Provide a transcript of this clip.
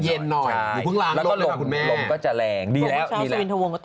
อยู่เพิ่งล้างลงเลยค่ะคุณแม่โปรปุ๊กชาวซิวินทะวงก็ตกดีแล้วดีแล้ว